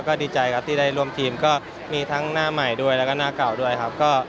ก็ดีใจครับที่ได้ร่วมทีมก็มีทั้งหน้าใหม่ด้วยแล้วก็หน้าเก่าด้วยครับ